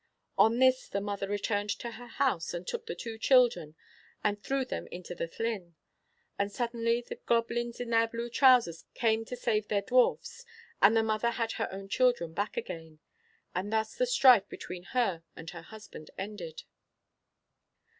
'On this the mother returned to her house and took the two children and threw them into the Llyn; and suddenly the goblins in their blue trousers came to save their dwarfs, and the mother had her own children back again; and thus the strife between her and her husband ended.'